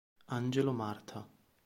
Angelo Martha